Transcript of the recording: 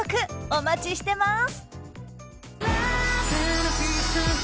お待ちしてます。